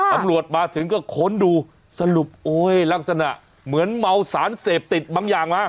ตำรวจมาถึงก็ค้นดูสรุปโอ้ยลักษณะเหมือนเมาสารเสพติดบางอย่างมา